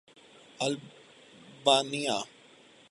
Albania